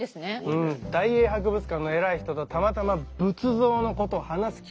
うん大英博物館の偉い人とたまたま仏像のことを話す機会があってね。